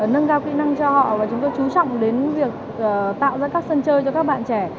nâng cao kỹ năng cho họ và chúng tôi chú trọng đến việc tạo ra các sân chơi cho các bạn trẻ